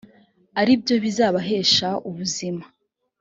ari byo bizabahesha ubuzima